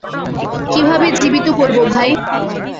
কিভাবে জীবিত করবো, ভাই।